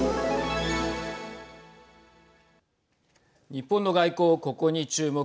日本の外交、ここに注目。